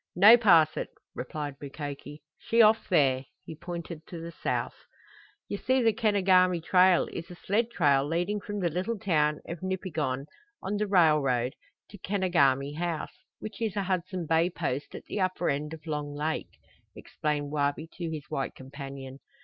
"No pass it," replied Mukoki. "She off there." He pointed to the south. "You see the Kenogami trail is a sled trail leading from the little town of Nipigon, on the railroad, to Kenogami House, which is a Hudson Bay Post at the upper end of Long Lake," explained Wabi to his white companion.